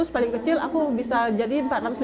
paling kecil aku bisa jadi empat ratus sembilan puluh